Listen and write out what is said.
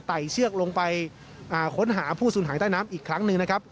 ไต่เชือกลงไปค้นหาผู้ซุนหายใต้น้ำอีกครั้งหนึ่ง